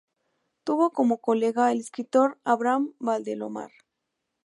Tuvo como colega al escritor Abraham Valdelomar.